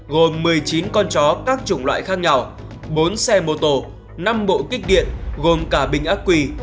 gồm một mươi chín con chó các chủng loại khác nhau bốn xe mô tô năm bộ kích điện gồm cả bình ác quỳ